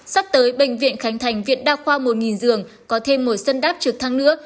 sắp tới bệnh viện khánh thành viện đa khoa một giường có thêm một sân đáp trực thăng nữa